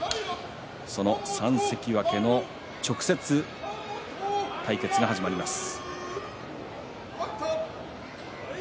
その３関脇の直接対決が始まります。